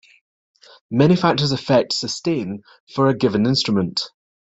Many factors affect sustain for a given instrument.